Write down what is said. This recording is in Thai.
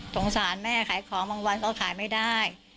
สงสารแม่ขายของบางวันก็ขายไม่ได้